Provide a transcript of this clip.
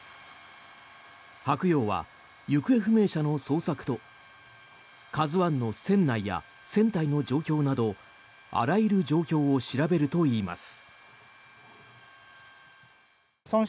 「はくよう」は行方不明者の捜索と「ＫＡＺＵ１」の船内や船体の状況などあらゆる状況を調べるといいます。